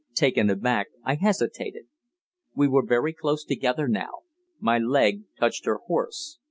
Taken aback, I hesitated. We were very close together now my leg touched her horse.